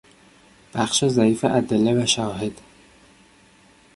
بخش ضعیف ادله و شواهد